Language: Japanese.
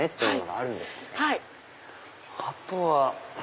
あとは。